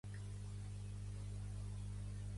El meu pare es diu Xavi Quiros: cu, u, i, erra, o, essa.